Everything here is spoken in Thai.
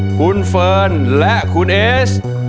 คุณเฟิร์นและคุณเอส